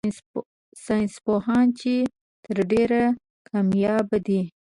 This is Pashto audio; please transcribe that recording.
ساينس پوهان چي تر ډېره کاميابه دي